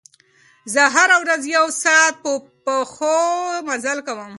زه هره ورځ یو ساعت په پښو مزل کوم.